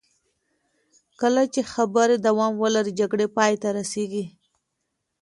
کله چې خبرې دوام ولري، جګړې پای ته رسېږي.